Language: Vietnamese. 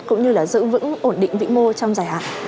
cũng như là giữ vững ổn định vĩ mô trong dài hạn